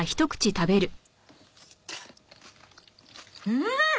うん！